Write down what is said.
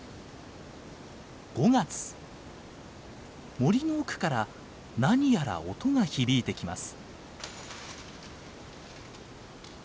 森の奥から何やら音が響いてきます。